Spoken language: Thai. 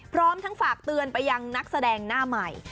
พร้อมทั้งฝากเตือนไปยังนักแสดงหน้าใหม่